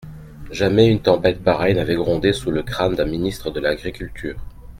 Jamais une tempête pareille n'avait grondé sous le crâne d'un ministre de l'agriculture.